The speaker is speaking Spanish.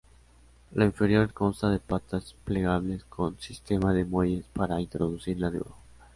La inferior consta de patas plegables con sistema de muelles para introducirla debajo.